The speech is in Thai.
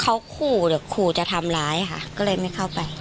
เขาขู่หรือขู่จะทำร้ายค่ะก็เลยไม่เข้าไป